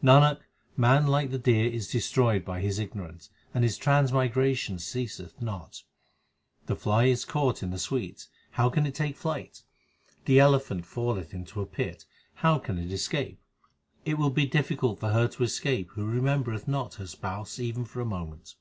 Nanak, man like the deer is destroyed by his ignorance, and his transmigration ceaseth not. The fly is caught in the sweets how can it take flight ? The elephant falleth into a pit how can it escape ? It will be difficult for her to escape who remembereth not her Spouse even for a moment.